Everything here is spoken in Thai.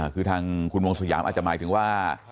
คือทางคุณวงสยามอาจจะหมายถึงว่า